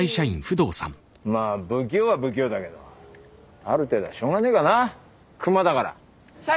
まあ不器用は不器用だけどある程度はしょうがねえかな熊だから。